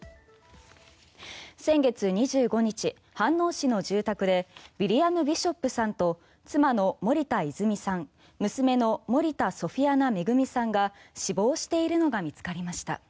先月２５日、飯能市の住宅でウィリアム・ビショップさんと妻の森田泉さん娘の森田ソフィアナ恵さんが死亡しているのが見つかりました。